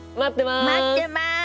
待ってます！